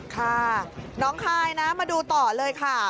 ค่ะน้องคายนะมาดูต่อเลยค่ะ